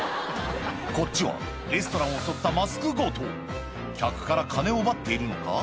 こっちはレストランを襲ったマスク強盗客から金を奪っているのか？